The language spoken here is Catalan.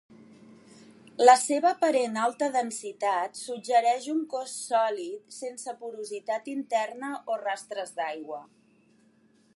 El seu aparent alta densitat suggereix un cos sòlid sense porositat interna o rastres d'aigua.